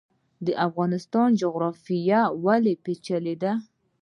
د افغانستان جغرافیا ولې پیچلې ده؟